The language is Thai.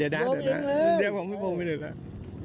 เดี๋ยวพี่พงล์ไปหนึ่ง